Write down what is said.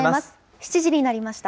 ７時になりました。